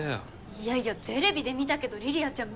いやいやテレビで見たけど梨里杏ちゃん